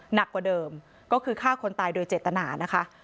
หนักกว่าเดิมก็คือฆ่าคนตายโดยเจตนานะคะ